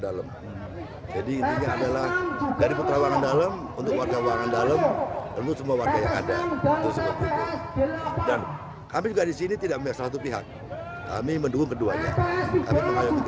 dalam jadi ini adalah dari